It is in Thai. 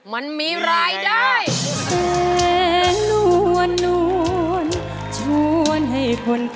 มันมีรายได้